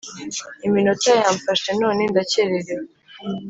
Iminota yamfashe none ndakererewe